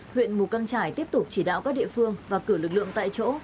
huyện mù căng trải tiếp tục chỉ đạo các địa phương và cử lực lượng tại chỗ